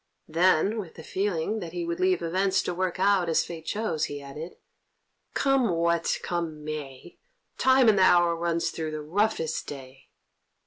Then, with the feeling that he would leave events to work out as fate chose, he added: "Come what come may, time and the hour runs through the roughest day."